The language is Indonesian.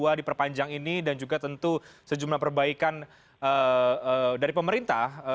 terutama di perpanjang ini dan juga tentu sejumlah perbaikan dari pemerintah